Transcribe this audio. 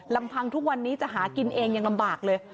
ลำพังทุกวันนี้จะหากินเองยังลำบากเลย